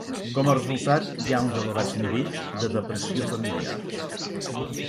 Com a resultat hi ha uns elevats nivells de depressió familiar.